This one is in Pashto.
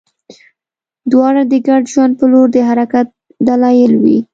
دواړه د ګډ ژوند په لور د حرکت دلایل وي.